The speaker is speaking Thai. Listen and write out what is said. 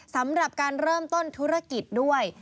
สำหรับการเริ่มต้นธุรกิจด้วย